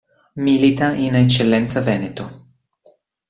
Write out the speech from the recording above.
Milita in Eccellenza Veneto.